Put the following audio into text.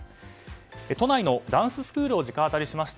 都内のダンススクールを直アタリしました。